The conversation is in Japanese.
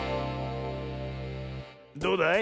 どうだい？